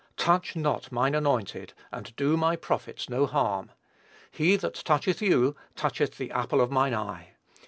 "Touch not mine anointed, and do my prophets no harm." "He that toucheth you, toucheth the apple of mine eye."